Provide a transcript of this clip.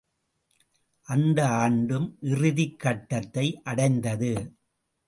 அந்த ஆண்டும் இறுதிக் கட்டத்தை அடைந்தது.